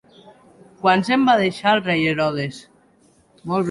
Quants en va deixar el rei Herodes!